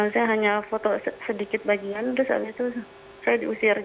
saya hanya foto sedikit bagian terus abis itu saya diusir